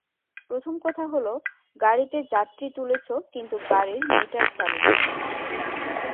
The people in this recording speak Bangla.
প্রথম কথা হলো, গাড়িতে যাত্রী তুলেছো কিন্তু গাড়ির মিটার চালু নেই।